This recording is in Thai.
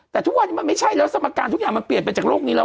แต่ทุกวันนี้มันไม่ใช่แล้วสมการทุกอย่างมันเปลี่ยนไปจากโลกนี้แล้ว